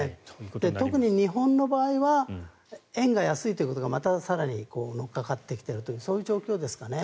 特に日本の場合は円が安いということがまた更に乗っかかってきているという状況ですかね。